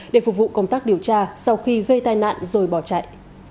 để phục vụ công tác điều tra sau khi gây tai nạn rồi bỏ chạy